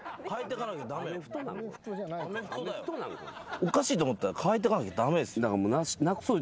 おかしいと思ったら変えてかなきゃ駄目です。